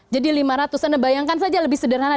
jadi lima ratus anda bayangkan saja lebih sederhana